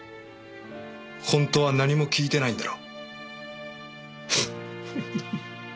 本当は何も聞いてないんだろ。